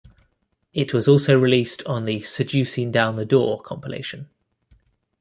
It was also released on the "Seducing Down The Door" compilation.